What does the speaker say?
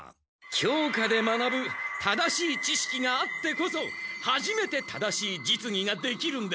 教科で学ぶ正しい知しきがあってこそはじめて正しい実技ができるんです。